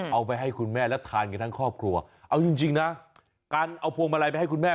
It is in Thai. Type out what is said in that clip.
เอาไปให้คุณแม่แล้วทานกันทั้งครอบครัวเอาจริงนะการเอาพวงมาลัยไปให้คุณแม่